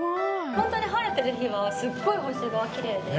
ほんとに晴れてる日はすっごい星がキレイで。